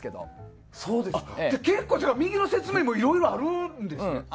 結構、右の説明もいろいろあるんですね。